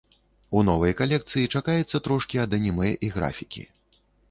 У новай калекцыі чакаецца трошкі ад анімэ і графікі.